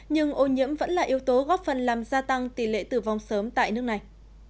nhưng ô nhiễm vẫn là yếu tố góp phần làm gia tăng tỷ lệ tử vong sớm tại nước này